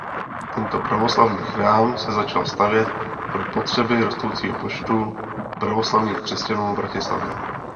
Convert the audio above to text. Tento pravoslavný chrám se začal stavět pro potřeby rostoucího počtu pravoslavných křesťanů v Bratislavě.